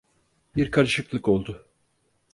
Bir karışıklık oldu.